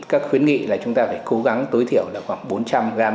các khuyến nghị là chúng ta phải cố gắng tối thiểu là khoảng bốn trăm linh g